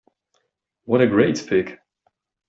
What a great pic!